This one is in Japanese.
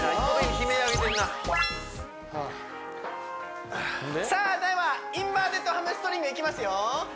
悲鳴上げてんなさあではインバーテッドハムストリングいきますよ